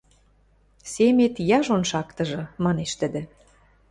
Семет яжон шактыжы! — манеш тӹдӹ.